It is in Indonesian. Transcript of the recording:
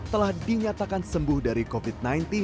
telah dinyatakan sembuh dari covid sembilan belas